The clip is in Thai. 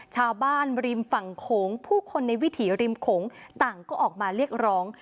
ชาวบ้านริมฝั่งโขงผู้คนในวิถีริมโขงต่างก็ออกมาเรียกร้อง